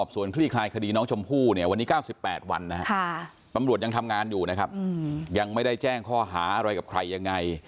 สมรวจยังทำงานอยู่นะครับยังไม่ได้แจ้งข้อหาอะไรกับใครยังไง